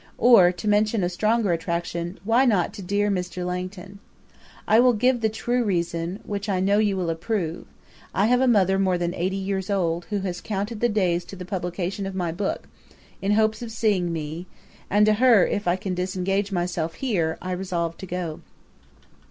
or, to mention a stronger attraction, why not to dear Mr. Langton? I will give the true reason, which I know you will approve: I have a mother more than eighty years old, who has counted the days to the publication of my book, in hopes of seeing me; and to her, if I can disengage myself here, I resolve to go.